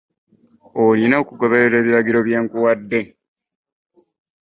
Olina okugoberera ebiragiro bye nkuwade.